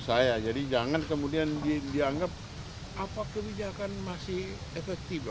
saya jadi jangan kemudian dianggap apa kebijakan masih efektif